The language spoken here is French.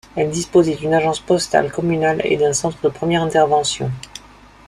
Elle disposait d'une agence postale communale et d'un centre de première intervention.